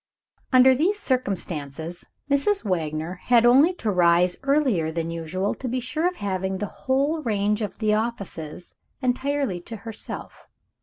Under these circumstances, Mrs. Wagner had only to rise earlier than usual, to be sure of having the whole range of the offices entirely to herself.